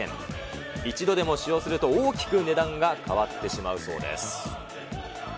一度でも使用すると大きく値段が変わってしまうそうです。